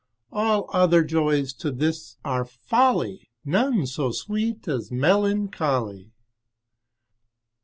All other joys to this are folly, None so sweet as melancholy.